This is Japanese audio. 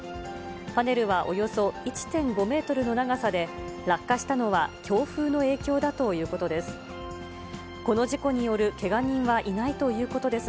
パネルはおよそ１．５メートルの長さで、落下したのは強風の影響だということです。